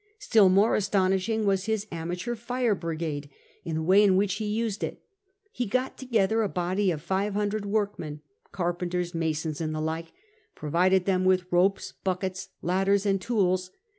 Still more astonishing was his amateur fire brigade and the way in which he used it. He got together a body of five hundred workmen — carpenters, masons, and the like — provided them with ropes, buckets, ladders, and tools.